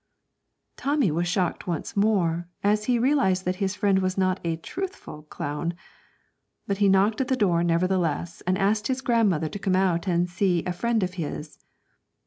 Tommy was shocked once more, as he realised that his friend was not a truthful clown. But he knocked at the door, nevertheless, and asked his grandmother to come out and see a friend of his.